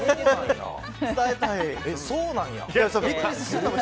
そうなんや。